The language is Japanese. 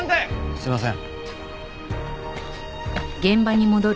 すいません。